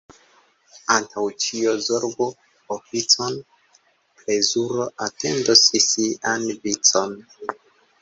Antaŭ ĉio zorgu oficon — plezuro atendos sian vicon.